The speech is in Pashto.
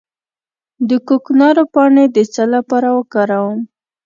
د کوکنارو پاڼې د څه لپاره وکاروم؟